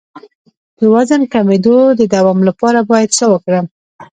د وزن د کمیدو د دوام لپاره باید څه وکړم؟